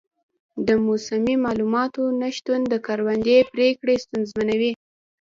د موسمي معلوماتو نه شتون د کروندې پریکړې ستونزمنوي.